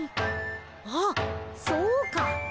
あっそうか！